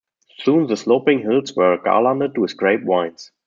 Soon the sloping hills were garlanded with grape vines.